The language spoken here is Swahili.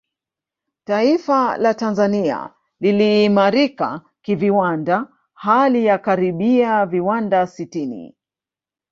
Taifa la Tanzania liliimarika kiviwanda hali ya karibia viwanda sitini